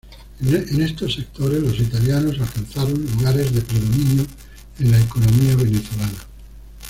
En estos sectores los italianos alcanzaron lugares de predominio en la economía venezolana.